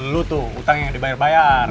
lu tuh utang yang dibayar bayar